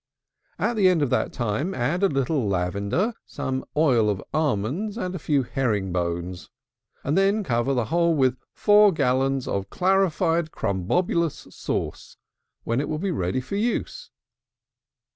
At the end of that time add a little lavender, some oil of almonds, and a few herring bones; and then cover the whole with 4 gallons of clarified Crumbobblious sauce, when it will be ready for use.